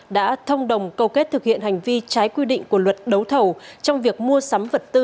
đã thông đồng cầu kết thực hiện hành vi trái quy định của luật đấu thầu trong việc mua sắm vật tư